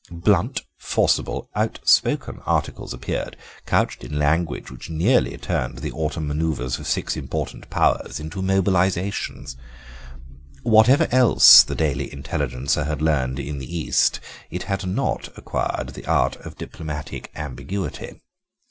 Blunt, forcible, outspoken articles appeared, couched in language which nearly turned the autumn manœuvres of six important Powers into mobilisations. Whatever else the Daily Intelligencer had learned in the East, it had not acquired the art of diplomatic ambiguity.